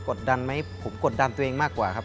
ดดันไหมผมกดดันตัวเองมากกว่าครับ